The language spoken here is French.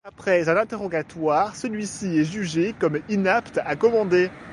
Après un interrogatoire celui-ci est jugé comme inapte à commander.